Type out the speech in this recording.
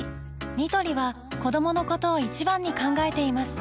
ニトリは子どものことを一番に考えています